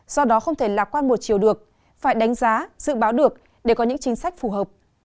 do đó không thể lạc quan một chiều được phải đánh giá dự báo được để có những chính sách phù hợp